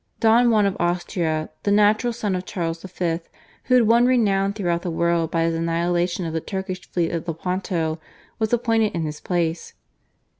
Don Juan of Austria, the natural son of Charles V., who had won renown throughout the world by his annihilation of the Turkish fleet at Lepanto, was appointed in his place.